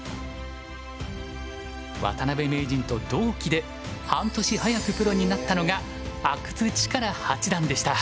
渡辺名人と同期で半年早くプロになったのが阿久津主税八段でした。